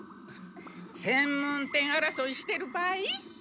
専門店あらそいしてる場合？